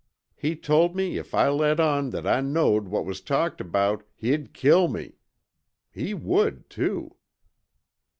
He told me if I let on that I knowed what was talked about, he'd kill me! He would, too!"